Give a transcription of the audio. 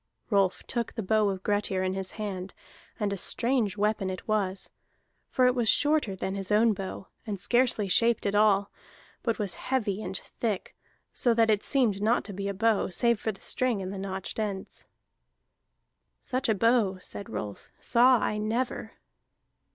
Rolf took the bow of Grettir in his hand, and a strange weapon it was. For it was shorter than his own bow, and scarcely shaped at all, but was heavy and thick, so that it had seemed not to be a bow, save for the string and the notched ends. "Such a bow," said Rolf, "saw I never."